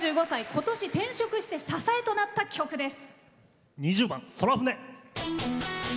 今年、転職して支えとなった曲です。